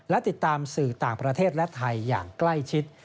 และติดตามสื่อต่างประเทศและไทยอย่างใกล้ชิด